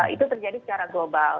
itu terjadi secara global